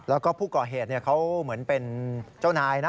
แล้วก็ผู้ก่อเหตุเขาเหมือนเป็นเจ้านายนะ